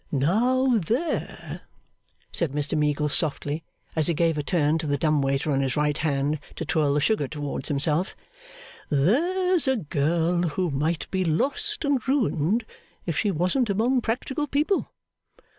'Now there,' said Mr Meagles softly, as he gave a turn to the dumb waiter on his right hand to twirl the sugar towards himself. 'There's a girl who might be lost and ruined, if she wasn't among practical people.